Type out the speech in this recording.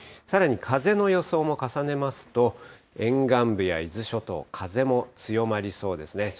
さらに風の予想も重ねますと、沿岸部や伊豆諸島、風も強まりそうですね。